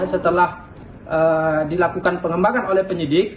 setelah dilakukan pengembangan oleh penyidik